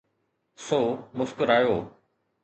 سو مسڪرايو.